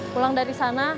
pulang dari sana